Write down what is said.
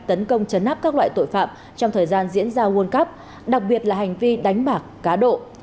tấn công chấn áp các loại tội phạm trong thời gian diễn ra world cup đặc biệt là hành vi đánh bạc cá độ